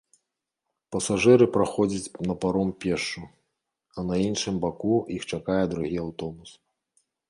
Пасажыры праходзяць на паром пешшу, а на іншым баку іх чакае другі аўтобус.